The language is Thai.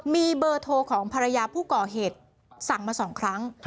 มีเบอร์โทรของภรรยาผู้ก่อเหตุสั่งมา๒ครั้ง